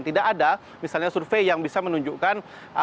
tidak ada misalnya survei yang bisa menunjukkan